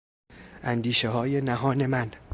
اندیشههای نهان من